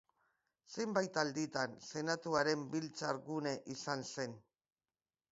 Zenbait alditan, senatuaren biltzar gune izan zen.